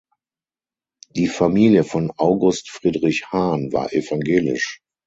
Die Familie von August Friedrich Hahn war evangelisch.